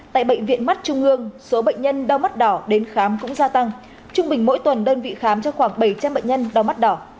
tại bệnh viện mắt trung ương số bệnh nhân đau mắt đỏ đến khám cũng gia tăng trung bình mỗi tuần đơn vị khám cho khoảng bảy trăm linh bệnh nhân đau mắt đỏ